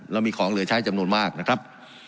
เรามีของเหลือใช้จำนวนมากนะครับ